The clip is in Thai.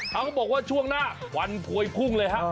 เขาบอกว่าช่วงหน้าวันพวยพุ่งเลยฮะ